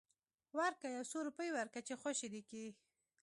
ورکه يو څو روپۍ ورکه چې خوشې دې کي.